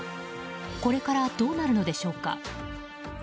これからどうなるのでしょうか。